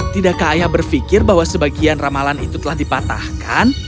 tidakkah ayah berpikir bahwa sebagian ramalan itu telah dipatahkan